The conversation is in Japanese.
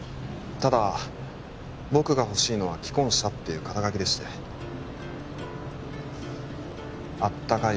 ただ僕が欲しいのは「既婚者」っていう肩書でしてあったかい